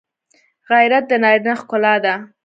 غیرت د نارینه ښکلا ده